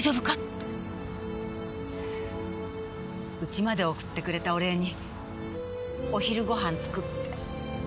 家まで送ってくれたお礼にお昼ご飯作って。